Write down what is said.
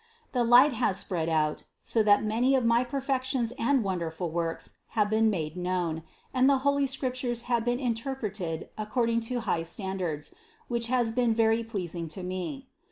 The light has spread out, so that many of my perfections and wonderful works have been made known, and the holy Scriptures have been in terpreted according to high standards, which has been very pleasing to Me.